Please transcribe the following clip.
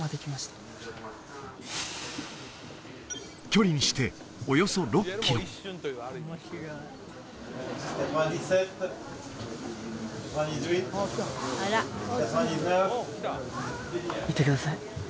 距離にしておよそ６キロ見てください